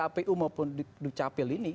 kepada kpu maupun dukcapil ini